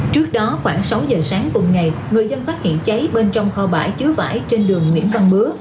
trước đó khoảng sáu giờ sáng cùng ngày người dân phát hiện cháy bên trong kho bãi chứa vải trên đường nguyễn văn bứa